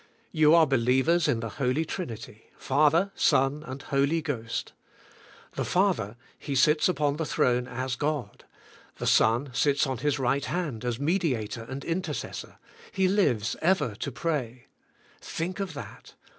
You are believers in the Holy Trinity — Father, Son and Holy Ghost. The Father— He sits upon the throne as God. The Son sits on His right hand as Mediator and Inter cessor — He lives ever to pray Think of that.